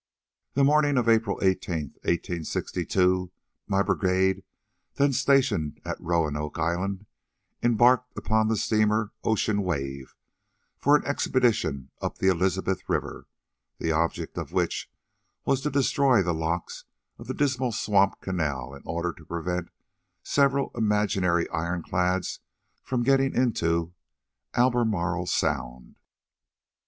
The morning of April 18, 1862, my brigade, then stationed at Roanoke Island, embarked upon the steamer Ocean Wave for an expedition up the Elizabeth River, the object of which was to destroy the locks of the Dismal Swamp canal in order to prevent several imaginary iron clads from getting into Albemarle Sound.